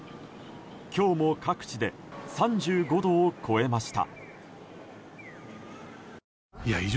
今日も各地で３５度を超えました。